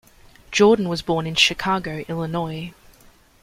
Jordan was born in Chicago, Illinois.